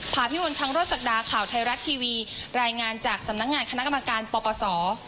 พาพิมลคังรถศักดาข่าวไทยรัฐทีวีรายงานจากสำนักงานคณะกรรมการปปศ